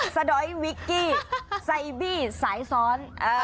สดอยวิกกี้ไซบี้สายซ้อน